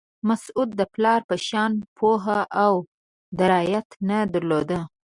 مسعود د پلار په شان پوهه او درایت نه درلود.